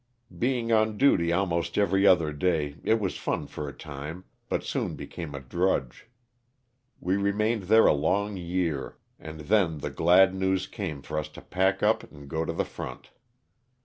Being on duty almost every other day it was fun for a time, but soon became a drudge. We remained there a long year, and then the glad news came for us to pack up and go to the front.